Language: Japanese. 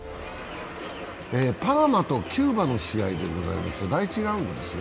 パナマとキューバの試合でございまして、第１ラウンドですね。